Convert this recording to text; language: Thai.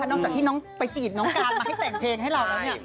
นอกจากที่น้องไปจีบน้องการมาให้แต่งเพลงให้เราแล้วเนี่ย